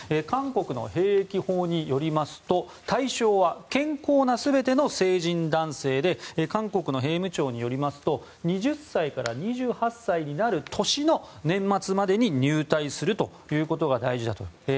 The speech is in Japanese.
韓国の兵役法によりますと対象は健康な全ての成人男性で韓国の兵務庁によりますと２０歳から２８歳になる年の年末までに入隊するということが大事だと。